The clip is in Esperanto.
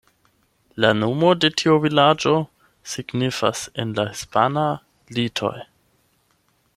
La nomo de tiu vilaĝo signifas en la hispana "Litoj".